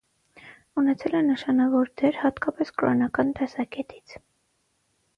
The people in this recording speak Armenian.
Ունեցել է նշանավոր դեր հատկապես կրոնական տեսակետից։